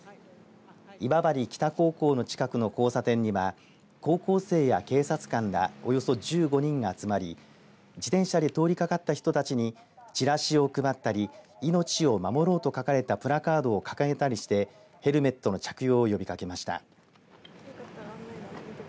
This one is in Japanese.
今治北高校の近くの交差点には高校生や警察官らおよそ１５人が集まり自転車で通りかかった人たちにチラシを配ったり命を守ろうと書かれたプラカードを掲げたりしてヘルメットの着用を呼びかけました。